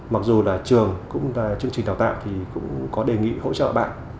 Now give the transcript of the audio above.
mặc dù là trường cũng là chương trình đào tạo thì cũng có đề nghị hỗ trợ bạn